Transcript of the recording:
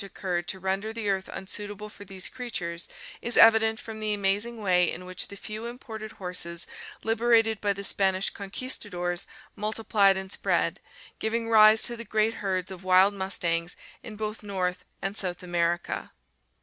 occurred to render the earth unsuitable for these creatures is evident from the amazing way in which the few imported horses liberated by the Spanish Conquista'dores multiplied and spread, giving rise to the great herds of wild mustangs in both North and Fig. i>7. —Restoration of Equus siatti. (After Lull.) South America.